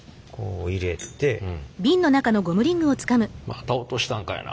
「また落としたんかいな」